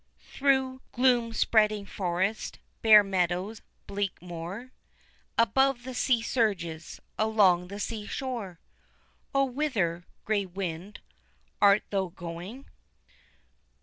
Through gloom spreading forest, bare meadow, bleak moor, Above the sea surges, along the sea shore, O! whither, grey wind, art thou going?